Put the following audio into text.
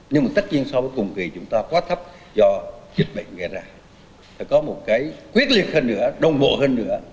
nhưng mà tất nhiên so với cùng kỳ chúng ta quá thấp do dịch bệnh gây ra phải có một cái quyết liệt hơn nữa đồng bộ hơn nữa